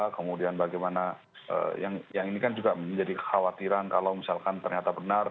kemudian bagaimana yang ini kan juga menjadi kekhawatiran kalau misalkan ternyata benar